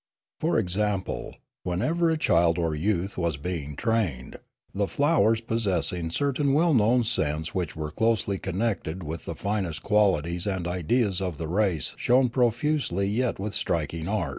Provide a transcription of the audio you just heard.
For ex ample, wherever a child or youth was being trained, the flowers possessing certain well known scents which were closely connected with the finest qualities and ideas of the race shone profusely yet with striking art.